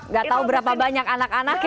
nggak tahu berapa banyak anak anak ya